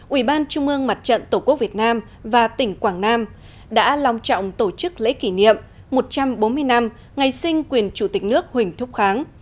ủy ban trung ương mặt trận tổ quốc việt nam và tỉnh quảng nam đã long trọng tổ chức lễ kỷ niệm một trăm bốn mươi năm ngày sinh quyền chủ tịch nước huỳnh thúc kháng